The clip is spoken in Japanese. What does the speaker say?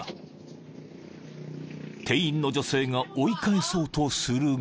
［店員の女性が追い返そうとするが］